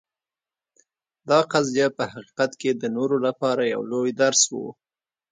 دا قضیه په حقیقت کې د نورو لپاره یو لوی درس و.